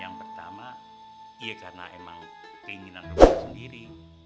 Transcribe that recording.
yang pertama ya karena emang keinginan rumah sendiri